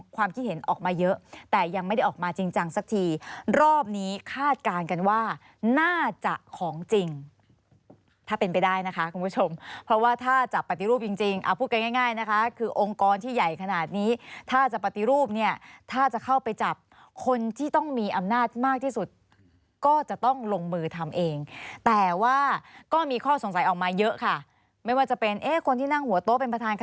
ความคิดเห็นออกมาเยอะแต่ยังไม่ได้ออกมาจริงจังสักทีรอบนี้คาดการณ์กันว่าน่าจะของจริงถ้าเป็นไปได้นะคะคุณผู้ชมเพราะว่าถ้าจับปฏิรูปจริงจริงอ่าพูดง่ายง่ายนะคะคือองค์กรที่ใหญ่ขนาดนี้ถ้าจะปฏิรูปเนี่ยถ้าจะเข้าไปจับคนที่ต้องมีอำนาจมากที่สุดก็จะต้องลงมือทำเองแต่ว่าก็มีข้อสงสัยออก